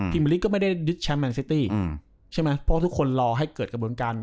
เพราะทุกคนรอให้เกิดกระบวนการ